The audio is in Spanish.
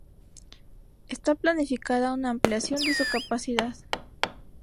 Está planificada una ampliación de su capacidad.